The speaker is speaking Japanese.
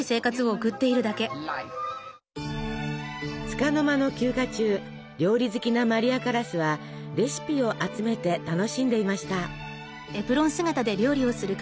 つかの間の休暇中料理好きなマリア・カラスはレシピを集めて楽しんでいました。